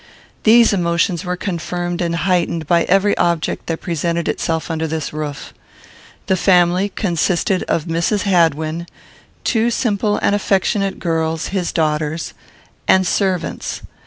These emotions were confirmed and heightened by every object that presented itself under this roof. The family consisted of Mrs. Hadwin, two simple and affectionate girls, his daughters, and servants.